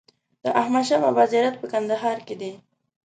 د احمد شا بابا زیارت په کندهار کی دی